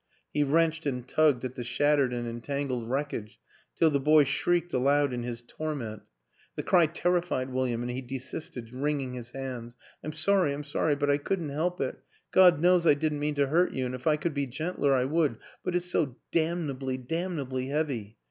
He wrenched and tugged at the shat tered and entangled wreckage till the boy shrieked aloud in his torment the cry terrified William and he desisted, wringing his hands. " I'm sorry, I'm sorry, but I couldn't help it. God knows I didn't mean to hurt you and if I could be gentler I would, but it's so damnably, damnably heavy.